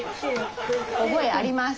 覚えあります。